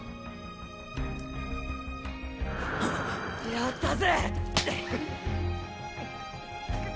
やったぜ！